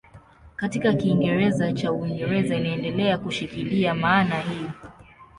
Katika Kiingereza cha Uingereza inaendelea kushikilia maana hii.